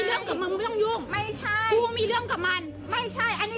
เดี๋ยวเจอในเฟซบุ๊กว่ากูจะแสดงให้ว่ามาทำอะไร